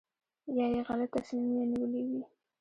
یا یې غلط تصمیمونه نیولي وي.